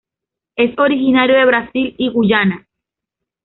Es originario de Brasil y Guyana.